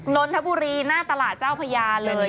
นนทบุรีหน้าตลาดเจ้าพญาเลย